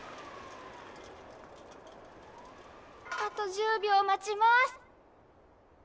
あと１０秒待ちます。